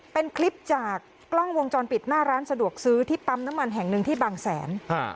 เป็นคลิปจากกล้องวงจรปิดหน้าร้านสะดวกซื้อที่ปั๊มน้ำมันแห่งหนึ่งที่บางแสน